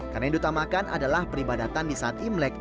karena yang ditamakan adalah peribadatan di saat imlek